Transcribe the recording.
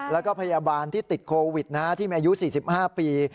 แล้วก็พยาบาลที่ติดโควิดที่มีอายุ๔๕ปี